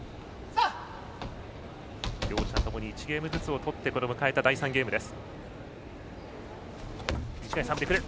両者ともに１ゲームずつとって迎えたこの第３ゲームです。